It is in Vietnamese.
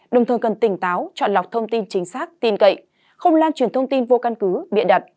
đồng thời cần tỉnh táo chọn lọc thông tin chính xác tin cậy không lan truyền thông tin vô căn cứ bịa đặt